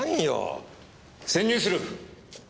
潜入する！